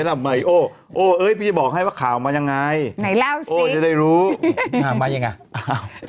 มายังไงโอ้ยพี่จะบอกให้ว่าข่าวมายังไงไหนเล่าสิโอ้ยจะได้รู้มายังไงอ้าว